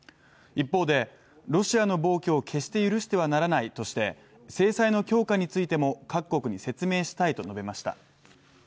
一方で、ロシアの暴挙を決して許してはならないとして制裁の強化についても各国に説明したいと述べました。